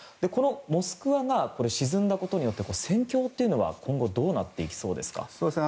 「モスクワ」が沈んだことによって戦況は今後どうなっていきそうですか？